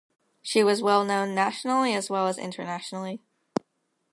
She was well known nationally as well as internationally.